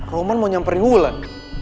roman mau nyamperin ulan